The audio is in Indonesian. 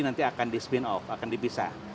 nanti akan di spin off akan dipisah